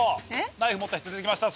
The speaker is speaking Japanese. ナイフを持った人出てきました。